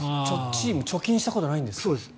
チームは貯金したことがないんです。